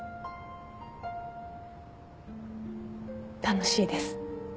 楽しいです。